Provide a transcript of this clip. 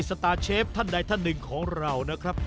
สตาร์เชฟท่านใดท่านหนึ่งของเรานะครับ